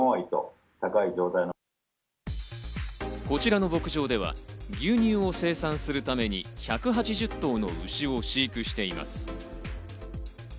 こちらの牧場では牛乳を生産するために１８０頭の牛を飼育しています。